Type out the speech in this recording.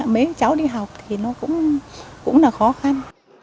mấy cháu đi học thì nó cũng là khó khăn